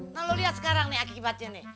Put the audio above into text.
nah lo lihat sekarang nih akibatnya nih